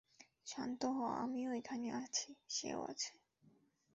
শান্ত হ আমিও এখানে আছি, সেও আছে।